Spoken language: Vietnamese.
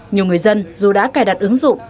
nhiều người dân dù đã cài đặt ứng dụng